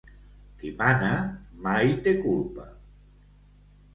Qui mana mai té culpa.